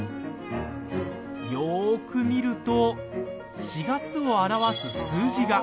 よーく見ると４月を表す数字が。